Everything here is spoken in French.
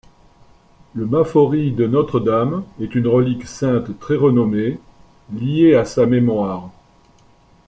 Le maforii de Notre-Dame est une relique sainte très renommée, liée à sa mémoire.